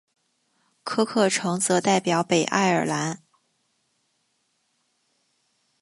科克城则代表北爱尔兰。